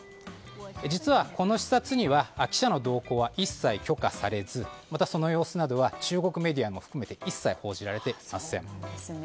実はこの視察には記者の同行は一切許可されずその様子などは中国メディアも含めて一切報じられていません。